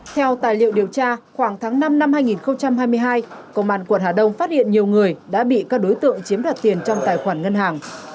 theo tài liệu điều tra khoảng tháng năm năm hai nghìn hai mươi hai công an quận hà đông phát hiện nhiều người đã bị các đối tượng chiếm đoạt tiền trong tài khoản ngân hàng